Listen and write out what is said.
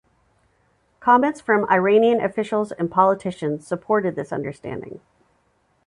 Comments from Iranian officials and politicians supported this understanding.